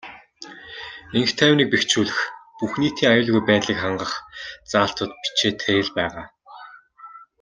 Энх тайвныг бэхжүүлэх, бүх нийтийн аюулгүй байдлыг хангах заалтууд бичээтэй л байгаа.